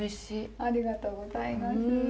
ありがとうございます。